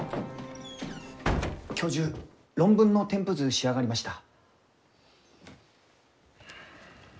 教授論文の添付図仕上がりました。